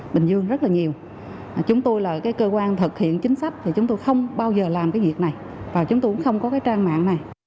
bình dương rất là nhiều chúng tôi là cái cơ quan thực hiện chính sách thì chúng tôi không bao giờ làm cái việc này và chúng tôi cũng không có cái trang mạng này